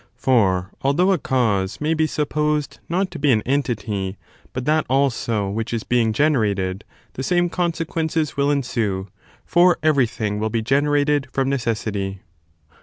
For, although a cause may be' supposed not to be an entity, but that also which is being generated, the same consequences will ensue ; for every thing will be generated from necessity.